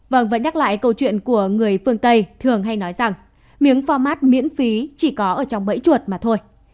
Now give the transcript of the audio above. vâng vẫn nhắc lại câu chuyện của người phương tây thường hay nói rằng miếng format miễn phí chỉ có ở trong bẫy chuột mà thôi